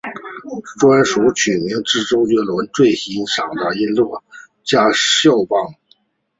专辑取名自周杰伦最欣赏的音乐家萧邦。